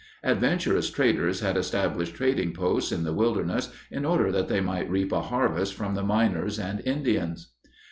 Adventurous traders had established trading posts in the wilderness in order that they might reap a harvest from the miners and Indians.